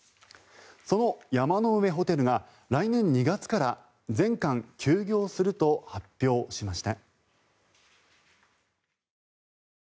その山の上ホテルが来年２月から全館休業すると発表しました。